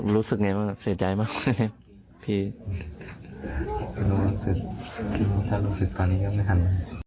รู้สึกยังไงบ้างเสียดายมากเลย